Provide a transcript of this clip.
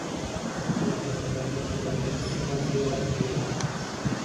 Durante el rodaje, Tom Baker se rompió la clavícula.